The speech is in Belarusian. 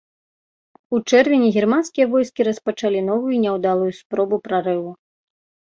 У чэрвені германскія войскі распачалі новую няўдалую спробу прарыву.